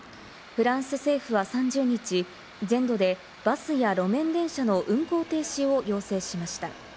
フランス政府は３０日、全土でバスや路面電車の運行停止を要請しました。